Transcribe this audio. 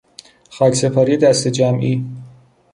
خاک سپاری دسته جمعی